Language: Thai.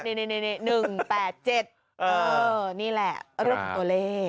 อ่อนี่แหละเลขตัวเลข